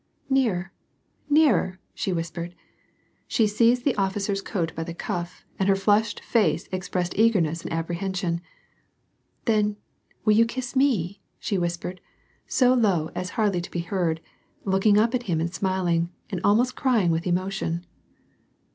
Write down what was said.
"Nearer, nearer," she whispered. She seized the oflicer's coat by the cuff, and her flushed face expressed eagerness and apprehension. "Then, will you kiss me?" she whispered, so low as hardly to be heard, looking up at him and smiling, and almost crying with emotion.